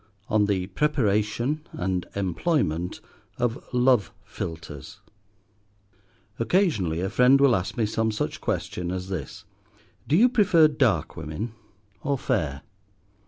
ON THE PREPARATION AND EMPLOYMENT OF LOVE PHILTRES OCCASIONALLY a friend will ask me some such question as this, Do you prefer dark women or fair?